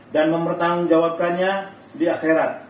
dan mempertanggung jawabkannya di akhirat